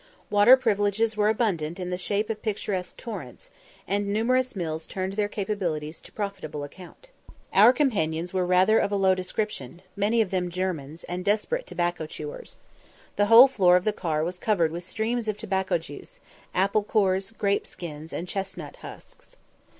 Water privileges were abundant in the shape of picturesque torrents, and numerous mills turned their capabilities to profitable account. Our companions were rather of a low description, many of them Germans, and desperate tobacco chewers. The whole floor of the car was covered with streams of tobacco juice, apple cores, grape skins, and chestnut husks.